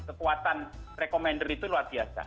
kekuatan recomender itu luar biasa